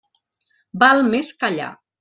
Val més callar.